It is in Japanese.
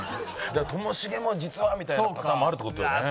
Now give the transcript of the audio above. じゃあともしげも実はみたいなパターンもあるって事だよね？